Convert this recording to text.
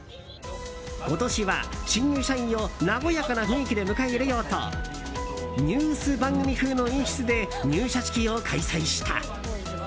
今年は新入社員を和やかな雰囲気で迎え入れようとニュース番組風の演出で入社式を開催した。